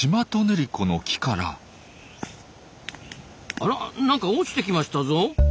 あら何か落ちてきましたぞ。